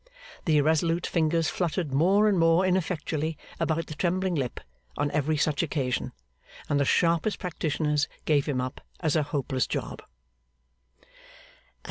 The irresolute fingers fluttered more and more ineffectually about the trembling lip on every such occasion, and the sharpest practitioners gave him up as a hopeless job.